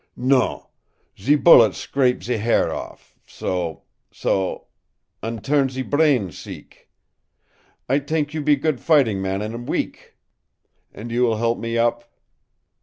"NON. Ze bullet scrape ze ha'r off so so an' turn ze brain seek. I t'ink you be good fighting man in week!" "And you will help me up?"